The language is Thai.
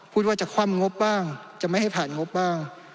พูดว่าจะคว่ำงบบ้างจะไม่ให้ผ่านงบบ้าง